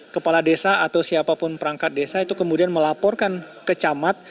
kepala desa atau siapapun perangkat desa itu kemudian melaporkan ke camat